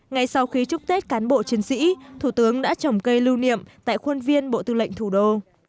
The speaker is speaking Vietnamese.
ngay sau khi chúc tết cán bộ chiến sĩ thủ tướng đã trồng cây lưu niệm tại khuôn viên bộ tư lệnh thủ đô